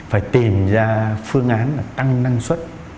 thành ra phương án là tăng năng suất